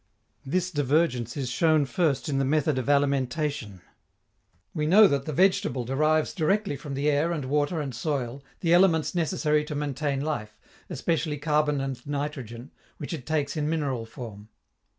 This divergence is shown, first, in the method of alimentation. We know that the vegetable derives directly from the air and water and soil the elements necessary to maintain life, especially carbon and nitrogen, which it takes in mineral form.